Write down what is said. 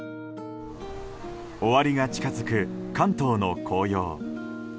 終わりが近づく関東の紅葉。